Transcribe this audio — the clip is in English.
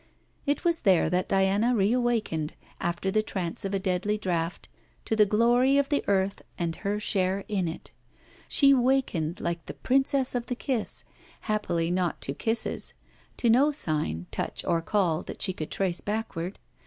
It was there that Diana reawakened, after the trance of a deadly draught, to the glory of the earth and her share in it. She wakened like the Princess of the Kiss; happily not to kisses; to no sign, touch or call that she could trace backward.